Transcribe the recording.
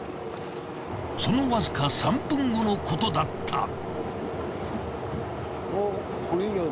そのわずか３分後のことだった。